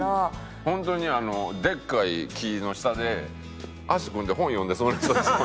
本当にでっかい木の下で足組んで本読んでそうな人ですもんね。